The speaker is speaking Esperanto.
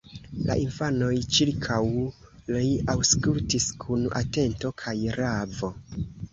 La infanoj ĉirkaŭ li aŭskultis kun atento kaj ravo.